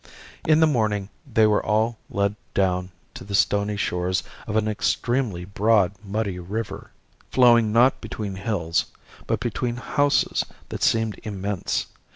In the morning they were all led down to the stony shores of an extremely broad muddy river, flowing not between hills but between houses that seemed immense.